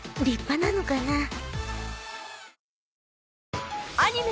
立派なのかな？